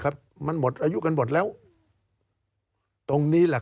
การเลือกตั้งครั้งนี้แน่